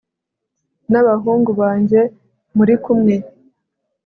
n'abahungu banjye muri kumwe